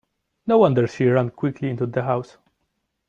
No wonder she ran quickly into the house.